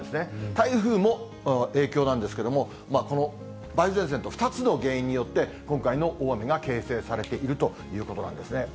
台風も影響なんですけども、この梅雨前線と２つの原因によって、今回の大雨が形成されているということなんですね。